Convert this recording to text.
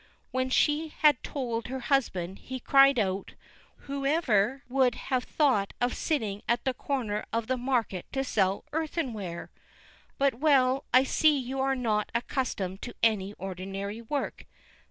When she had told her husband, he cried out: "Who ever would have thought of sitting at the corner of the market to sell earthenware? but well I see you are not accustomed to any ordinary work.